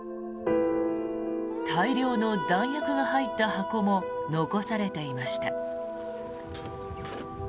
大量の弾薬が入った箱も残されていました。